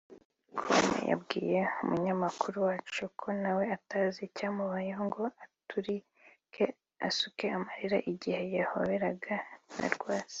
com yabwiye umunyamakuru wacu ko nawe atazi icyamubayeho ngo aturike asuke amarira igihe yahoberanaga na Rwasa